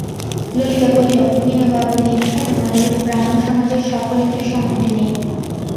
ললিতা কহিল, বিনয়বাবুর দীক্ষায় তোমাদের ব্রাহ্মসমাজের সকলের তো সম্মতি নেই।